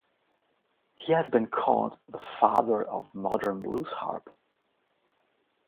He has been called "the father of modern blues harp".